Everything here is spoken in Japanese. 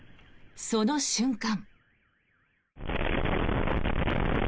その瞬間。